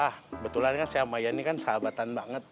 kebetulan kan saya sama ian ini kan sahabatan banget